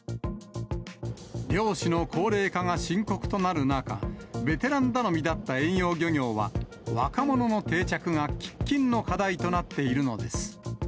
漁師の高齢化が深刻となる中、ベテラン頼みだった遠洋漁業は、若者の定着が喫緊の課題となっているのです。